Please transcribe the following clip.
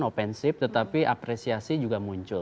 ofensif tetapi apresiasi juga muncul